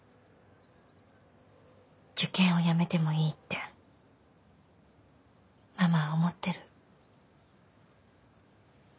受験をやめてもいいってママは思ってる。